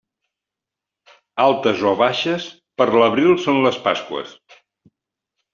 Altes o baixes, per l'abril són les Pasqües.